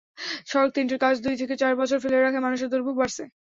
সড়ক তিনটির কাজ দুই থেকে চার বছর ফেলে রাখায় মানুষের দুর্ভোগ বাড়ছে।